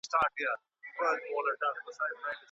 عاطفي هوښیارتیا په ټولنیزو اړیکو کي مرسته کوي.